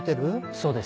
そうです。